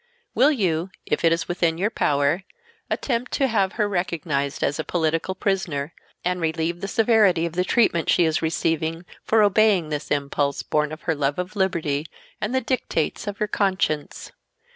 Will you, if it is within your power, attempt to have her recognized as a political prisoner, and relieve the severity of the treatment she is receiving for obeying this impulse born of her love of liberty and the dictates of her conscience?